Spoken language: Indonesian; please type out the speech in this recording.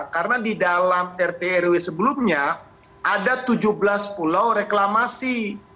karena di dalam rdtrw sebelumnya ada tujuh belas pulau reklamasi